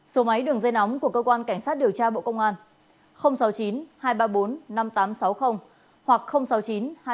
số máy đường dây nóng của cơ quan cảnh sát điều tra bộ công an sáu mươi chín hai trăm ba mươi bốn năm nghìn tám trăm sáu mươi hoặc sáu mươi chín hai trăm ba mươi hai một nghìn sáu trăm